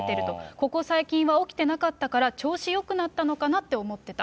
ここ最近は起きてなかったから、調子よくなってたのかなって思ってた。